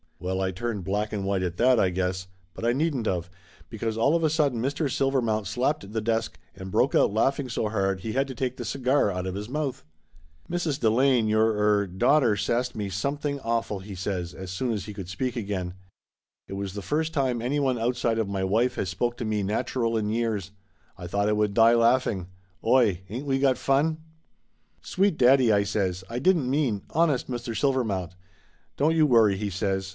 Well, I turned black and white at that, I guess, but I needn't of, because all of a sudden Mr. Silvermount slapped the desk and broke out laughing so hard he had to take the cigar out of his mouth. "Mrs. Delane, your er daughter sassed me some 188 Laughter Limited thing awful!" he says as soon as he could speak again. "It was the first time anyone outside of my wife has spoke to me nachural in years ! I thought I would die laffing. Oy ! Ain't we got fun ?" "Sweet daddy!" I says. "I didn't mean honest, Mr. Silvermount " "Don't you worry !" he says.